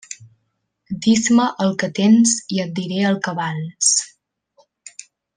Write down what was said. Dis-me el que tens i et diré el que vals.